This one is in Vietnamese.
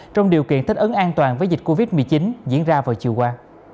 trong điều kiện thích ứng an toàn với dịch covid một mươi chín diễn ra vào chiều qua